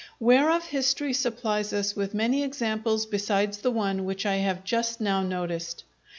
Whereof history supplies us with many examples besides the one which I have just now noticed.